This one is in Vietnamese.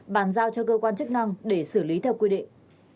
bàn giao cho cơ quan chức năng để xử lý theo quy định